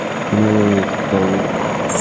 তোমার যৌবনের কথা মনে আছে তো, রিক?